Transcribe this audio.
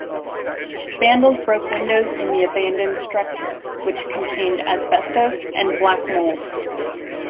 Vandals broke windows in the abandoned structure, which contained asbestos and black mold.